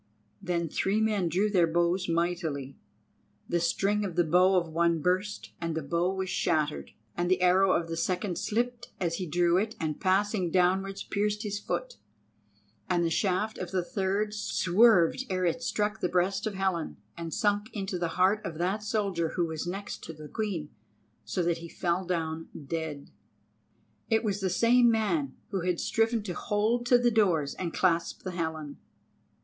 Then three men drew their bows mightily. The string of the bow of one burst, and the bow was shattered, and the arrow of the second slipped as he drew it, and passing downwards pierced his foot; and the shaft of the third swerved ere it struck the breast of Helen, and sunk into the heart of that soldier who was next to the Queen, so that he fell down dead. It was the same man who had striven to hold to the doors and clasp the Helen.